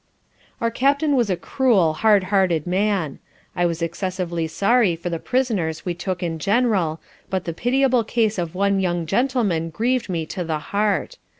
Our Captain was a cruel hard hearted man. I was excessively sorry for the prisoners we took in general; but the pitiable case of one young Gentleman grieved me to the heart.